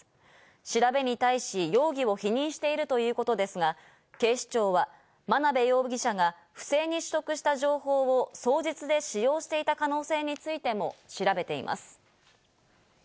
調べに対し容疑を否認しているということですが、警視庁は眞鍋容疑者が不正に取得した情報を双日で使用していた可能性についても調べています。